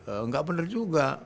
enggak bener juga